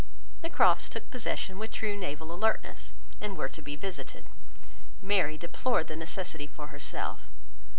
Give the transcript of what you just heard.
The Crofts took possession with true naval alertness, and were to be visited. Mary deplored the necessity for herself.